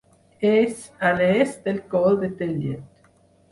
És a l'est del Coll de Tellet.